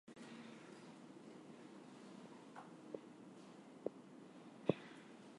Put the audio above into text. Return statements come in many shapes.